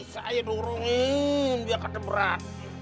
saya dorongin biar ada berat